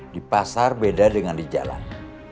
di pasar beda dengan di jalan